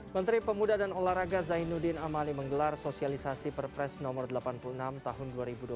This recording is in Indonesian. menteri pemuda dan olahraga zainuddin amali menggelar sosialisasi perpres no delapan puluh enam tahun dua ribu dua puluh